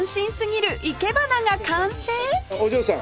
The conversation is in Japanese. お嬢さん。